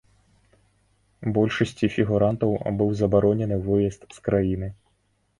Большасці фігурантаў быў забаронены выезд з краіны.